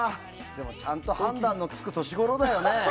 でも、ちゃんと判断のつく年ごろだよね。